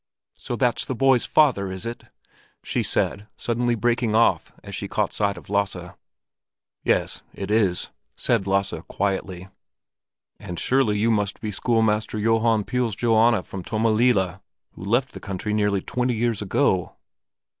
So that's the boy's father, is it?" she said, suddenly breaking off as she caught sight of Lasse. "Yes, it is," said Lasse, quietly. "And surely you must be schoolmaster Johan Pihl's Johanna from Tommelilla, who left the country nearly twenty years ago?"